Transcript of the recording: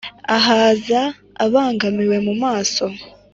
Ahaza abangamiwe mu maso,